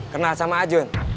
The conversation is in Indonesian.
kena sama ajun